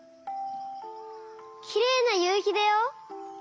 きれいなゆうひだよ！